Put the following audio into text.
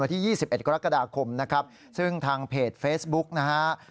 วันที่ยี่สิบเอ็ดกรกฎาคมนะครับซึ่งทางเพจเฟซบุ๊กนะฮะ